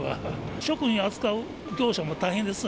食品を扱う業者も大変ですわ。